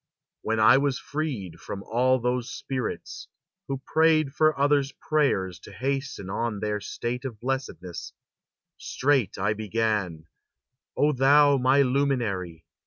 When I was freed From all those spirits, who prayed for others' prayers To hasten on their state of blessedness; Straight I began: "O thou, my luminary!